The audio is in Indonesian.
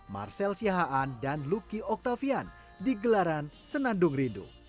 marcel siahaan dan luki oktavian di gelaran senandung rindu